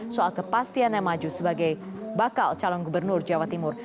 soal kepastian yang maju sebagai bakal calon gubernur jawa timur